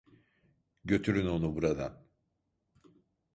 Götürün onu buradan!